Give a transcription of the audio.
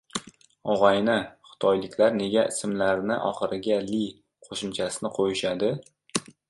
Ogʻayni, xitoyliklar nega ismlarini oxiriga „li” qoʻshimchasini qoʻyishadi?